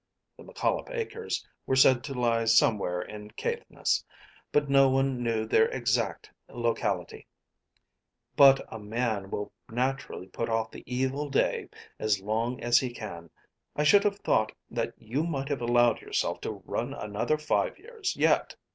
The McCollop acres were said to lie somewhere in Caithness, but no one knew their exact locality. "But a man will naturally put off the evil day as long as he can. I should have thought that you might have allowed yourself to run another five years yet."